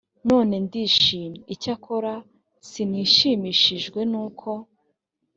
none ndishimye icyakora sinishimishijwe n uko